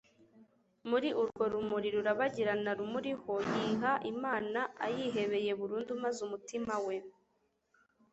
muri urwo rumuli rurabagirana rumuriho, yiha imana ayihebeye burundu, maze umutima we